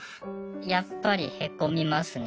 やっぱりへこみますね。